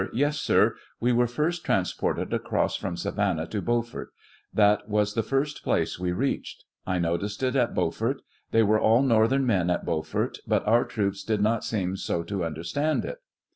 Yes, sir ; we were first transported across from Savannah to Beaufort; that was the first place we reached ; I noticed it at Beaufort ; they were all North ern men at Beaufort, but our troops did not seem so to understand it.